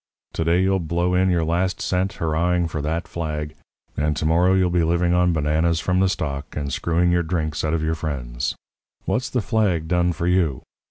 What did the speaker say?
To day you'll blow in your last cent hurrahing for that flag, and to morrow you'll be living on bananas from the stalk and screwing your drinks out of your friends. What's the flag done for you?